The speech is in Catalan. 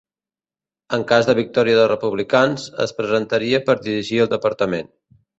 En cas de victòria dels Republicans, es presentaria per dirigir el departament.